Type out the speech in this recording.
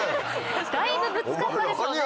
だいぶぶつかったでしょうね。